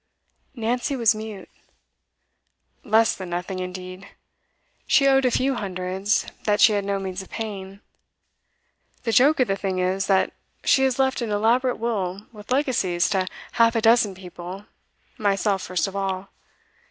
Nancy was mute. 'Less than nothing, indeed. She owed a few hundreds that she had no means of paying. The joke of the thing is, that she has left an elaborate will, with legacies to half a dozen people, myself first of all.